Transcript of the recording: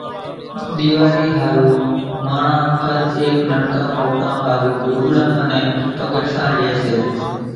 ۮيواري ۿارُو ماڻۿان ھر ايڪ ننڪا موٽا ۿارُو لوڳڙان انين پڳرسان لئي سي